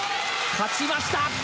勝ちました！